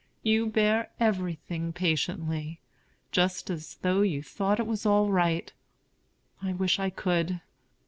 "You bear everything patiently, just as though you thought it was all right. I wish I could."